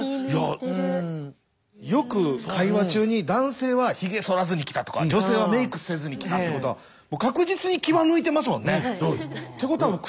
よく会話中に男性はひげそらずに来たとか女性はメークせずに来たってことはってことはそうなんです。